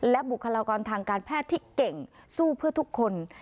และบุคลากรทางการแพทย์ที่เก่งสู้เพื่อทุกคน